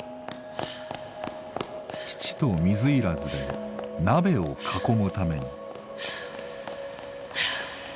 父と水入らずで鍋を囲むために。